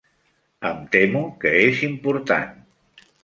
Em temo que és important.